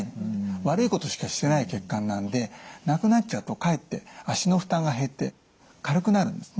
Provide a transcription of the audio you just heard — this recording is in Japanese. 悪いことしかしてない血管なんでなくなっちゃうとかえって脚の負担が減って軽くなるんですね。